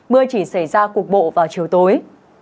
mưa chỉ xảy ra cuộc bộ vào chiều tối